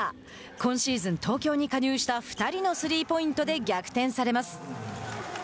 今シーズン東京に加入した２人のスリーポイントで逆転されます。